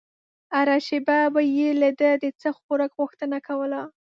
هره شېبه به يې له ده د څه خوراک غوښتنه کوله.